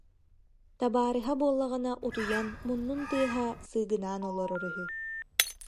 Табаарыһа буоллаҕына утуйан муннун тыаһа сыыгынаан олорор үһү